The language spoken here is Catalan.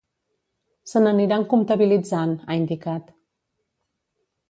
“Se n’aniran compatibilitzant”, ha indicat.